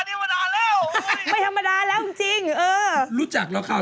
ต่อละคุณไม่ได้ซื้อรถให้เขานะ